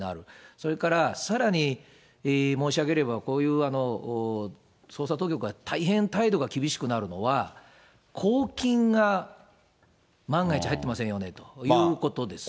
それからさらに申し上げれば、こういう、捜査当局が大変態度が厳しくなるのは、公金が万が一入ってませんよねということですよね。